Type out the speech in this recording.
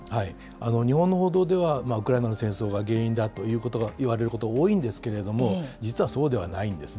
日本の報道では、ウクライナの戦争が原因だということがいわれることが多いんですけれども、実はそうではないんですね。